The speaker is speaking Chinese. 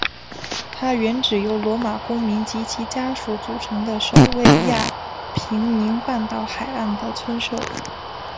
它原指由罗马公民及其家属组成的守卫亚平宁半岛海岸的村社。